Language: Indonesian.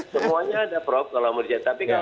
semuanya ada prof kalau mau dikatakan